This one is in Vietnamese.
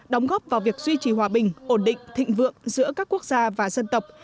đóng góp vào việc duy trì hòa bình ổn định thịnh vượng giữa các quốc gia và dân tộc